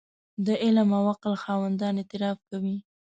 د علم او عقل خاوندان اعتراف کوي.